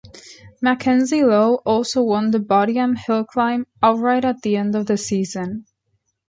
Mackenzie-Low also won the Bodiam Hill Climb outright at the end of the season.